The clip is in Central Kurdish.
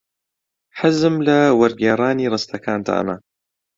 حەزم لە وەرگێڕانی ڕستەکانتانە.